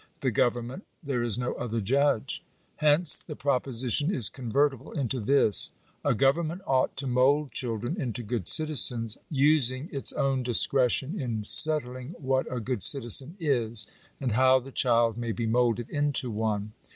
The government : there is no other judge. Hence the proposition is convertible into this — a government ought to mould children Digitized by VjOOQIC NATIONAL EDUCATION. 388 into good citizens, rising its own discretion in settling what a good citizen is, and how the child may be moulded into one.